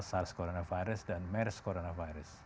sars cov dua dan mers cov dua